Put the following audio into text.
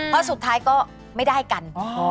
เพราะสุดท้ายก็ไม่ได้กัน